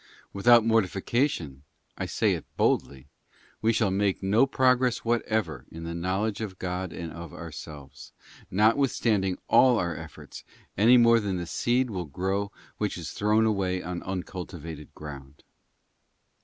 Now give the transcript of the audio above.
Without mortification, I say it boldly, we shall make no progress whatever in the knowledge of God and of ourselves, notwithstanding all our efforts, any more than the seed will grow which is thrown away on uncultivated ground.